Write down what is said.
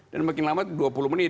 dan makin lama itu dua puluh menit